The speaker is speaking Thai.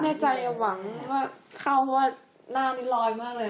แน่ใจหวังว่าเข้าเพราะว่าหน้านี้ลอยมากเลย